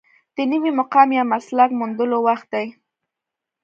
د نوي مقام یا مسلک موندلو وخت دی.